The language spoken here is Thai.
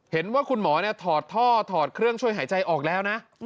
เห็นว่าคุณหมอถอดท่อถอดเครื่องช่วยหายใจออกแล้วนะ